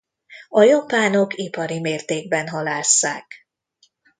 A japánok ipari mértékben halásszák.